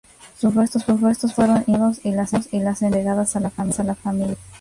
Sus restos fueron incinerados, y las cenizas entregadas a la familia.